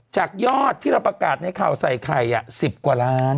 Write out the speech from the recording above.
จากยอดที่เราประกาศในข่าวใส่ไข่๑๐กว่าล้าน